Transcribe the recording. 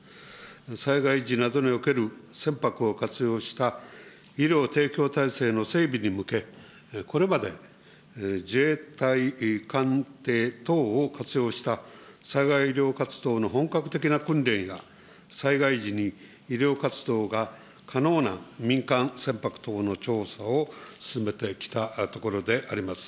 災害時などにおける船舶を活用した医療提供体制の整備に向け、これまで自衛隊、艦艇等を活用した災害医療活動の本格的な訓練や、災害時に医療活動が可能な民間船舶等の調査を進めてきたところであります。